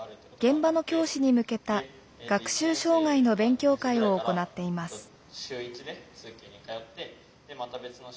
現場の教師に向けた学習障害の勉強会を行っています。